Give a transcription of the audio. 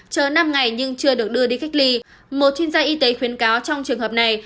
chờ năm ngày nhưng chưa được đưa đi cách ly một chuyên gia y tế khuyến cáo trong trường hợp này